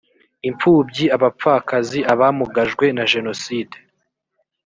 imfubyi abapfakazi abamugajwe na jenoside